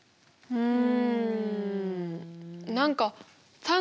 うん。